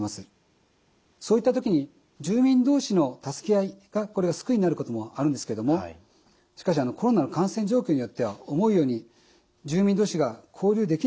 そういった時に住民同士の助け合いが救いになることもあるんですけどもしかしコロナの感染状況によっては思うように住民同士が交流できない場合があります。